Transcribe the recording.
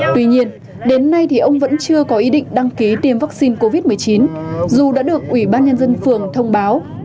tuy nhiên đến nay thì ông vẫn chưa có ý định đăng ký tiêm vaccine covid một mươi chín dù đã được ủy ban nhân dân phường thông báo